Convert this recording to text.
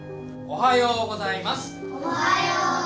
おはようございます。